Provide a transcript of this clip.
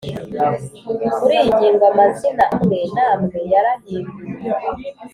Muri iyi ngingo amazina amwe n amwe yarahinduwe